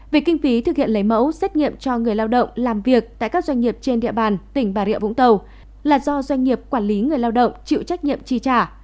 về kinh phí thực hiện lấy mẫu xét nghiệm cho người lao động làm việc tại các doanh nghiệp trên địa bàn tỉnh bà rịa vũng tàu là do doanh nghiệp quản lý người lao động chịu trách nhiệm chi trả